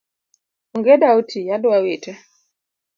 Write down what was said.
Ongeda otii , adwa wite